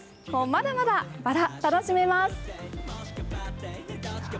まだまだバラ、楽しめます。